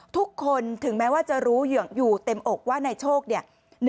ทุกคนถึงแม้ว่าจะรู้อยู่เต็มอกว่านายโชคเนี่ย